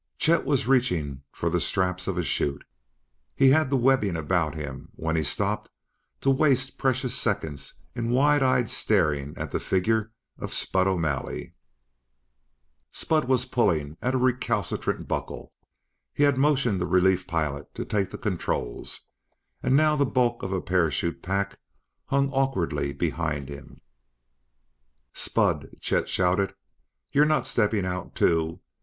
Chet was reaching for the straps of a 'chute. He had the webbing about him when he stopped to waste precious seconds in wide eyed staring at the figure of Spud O'Malley. Spud was pulling at a recalcitrant buckle. He had motioned the relief pilot to take the controls, and now the bulk of a parachute pack hung awkwardly behind him. "Spud!" Chet shouted. "You're not stepping out too!